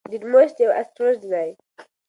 ډیډیموس یو اسټروېډ دی.